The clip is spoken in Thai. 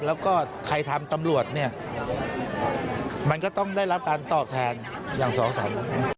แล้วก็ใครทำตำรวจเนี่ยมันก็ต้องได้รับการตอบแทนอย่างสองสาม